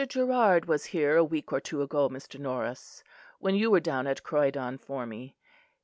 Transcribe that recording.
Gerrard was here a week or two ago, Mr. Norris, when you were down at Croydon for me.